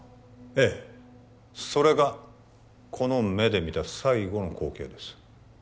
ええそれがこの目で見た最後の光景です